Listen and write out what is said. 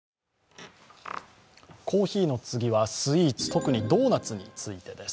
コーヒーの次はスイーツ、特にドーナツについてです。